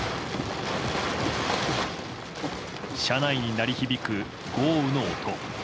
車内に鳴り響く豪雨の音。